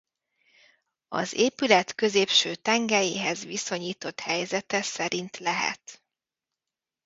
Az épület középső tengelyéhez viszonyított helyzete szerint lehet